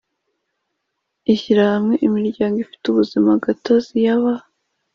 ishyirahamwe imiryango ifite ubuzima gatozi yaba